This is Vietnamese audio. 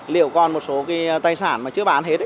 liệu còn một số cái tài sản mà chưa bán hết